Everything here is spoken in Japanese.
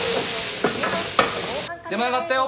出前上がったよ。